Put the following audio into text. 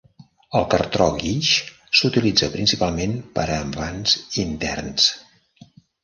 El cartró guix s'utilitza principalment per a envans interns.